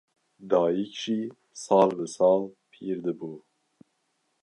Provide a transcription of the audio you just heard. Dayîk jî sal bi sal pîr dibû